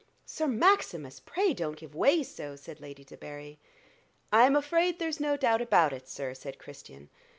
"Sir Maximus, pray don't give way so," said Lady Debarry. "I'm afraid there's no doubt about it, sir," said Christian.